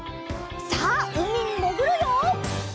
さあうみにもぐるよ！